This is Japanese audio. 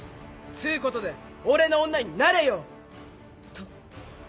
「つうことで俺の女になれよ」と。